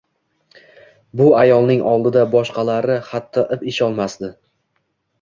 Bu ayolning oldida boshqalari hatto ip esholmasdi